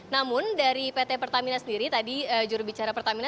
namun dari pt pertamina sendiri tadi jurubicara pertamina